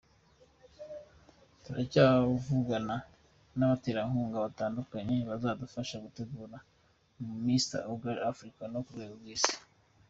Turacyavugana n’abaterankunga batandukanye bazadufasha gutegura Mr Ugly Africa no ku rwego rw’Isi”.